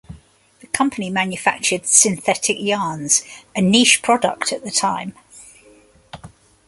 The company manufactured synthetic yarns, a niche product at the time.